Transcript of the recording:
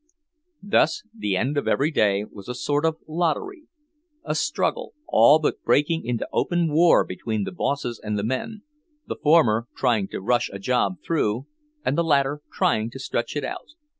Thus the end of every day was a sort of lottery—a struggle, all but breaking into open war between the bosses and the men, the former trying to rush a job through and the latter trying to stretch it out.